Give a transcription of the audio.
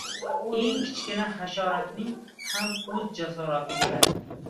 • Eng kichkina hasharotning ham o‘z jasorati bo‘ladi.